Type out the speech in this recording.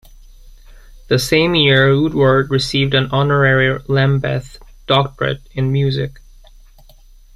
The same year Woodward received an honorary Lambeth Doctorate in Music.